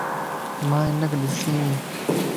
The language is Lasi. مان ھنک ڏسين وين